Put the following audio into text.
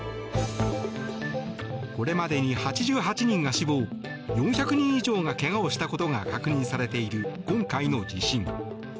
これまでに８８人が死亡４００人以上が怪我をしたことが確認されている今回の地震。